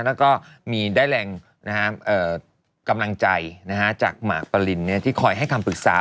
แล้วก็มีได้แรงกำลังใจจากหมากปรินที่คอยให้คำปรึกษา